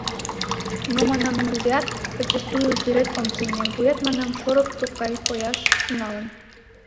Но, манам, нигузеат «подчистую» тӱред ом сеҥе, вует, манам, шорык туп гай кояш тӱҥалын.